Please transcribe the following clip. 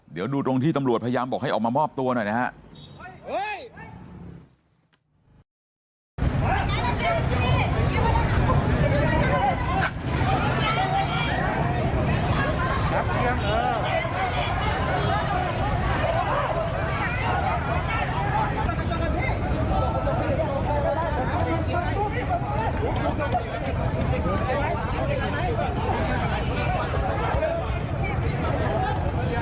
เดี๋ยวดูตรงที่ตำรวจพยายามบอกให้ออกมามอบตัวหน่อยนะครับ